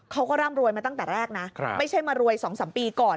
เขาก็ร่ำรวยมาตั้งแต่แรกนะไม่ใช่มารวย๒๓ปีก่อน